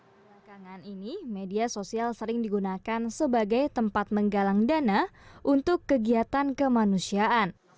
belakangan ini media sosial sering digunakan sebagai tempat menggalang dana untuk kegiatan kemanusiaan